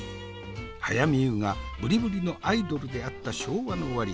早見優がぶりぶりのアイドルであった昭和の終わり